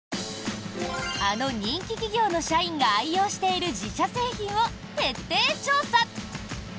あの人気企業の社員が愛用している自社製品を徹底調査！